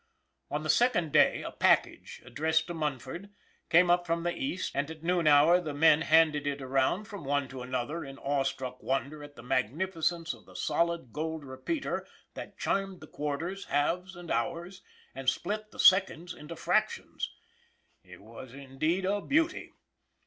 On the second day a package, addressed to Mun ford, came up from the East, and at noon hour the men handed it around from one to another in awe struck wonder at the magnificence of the solid gold repeater that chimed the quarters, halves and hours, and split the seconds into fractions. It was indeed a beauty.